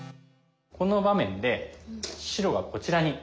この場面で白がこちらに。